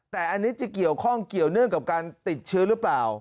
แต่อันนี้จะเกี่ยวข้องเกี่ยวเนื่องกับการติดเชื้อหรือเปล่า